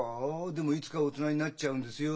でもいつか大人になっちゃうんですよ。